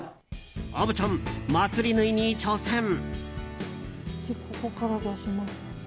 虻ちゃん、まつり縫いに挑戦。